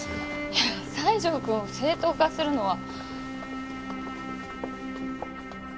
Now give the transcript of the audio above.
いや西条くんを正当化するのは。